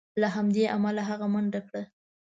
له همدې امله هغه منډه کړه.